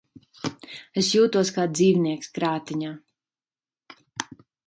Es jūtos kā dzīvnieks krātiņā.